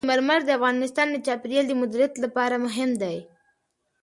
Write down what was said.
سنگ مرمر د افغانستان د چاپیریال د مدیریت لپاره مهم دي.